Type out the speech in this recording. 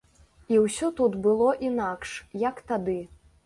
І ўсё тут было інакш, як тады.